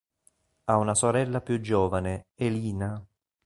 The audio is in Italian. Ha una sorella più giovane, Elina.